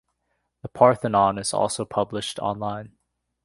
"The Parthenon" is also published online.